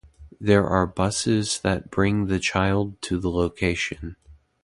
There are buses that bring the child to the location.